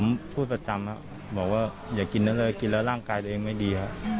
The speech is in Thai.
ผมพูดประจำครับบอกว่าอย่ากินนั้นเลยกินแล้วร่างกายตัวเองไม่ดีครับ